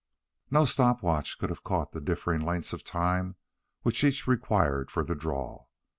No stop watch could have caught the differing lengths of time which each required for the draw.